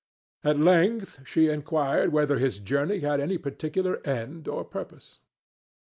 At length she inquired whether his journey had any particular end or purpose.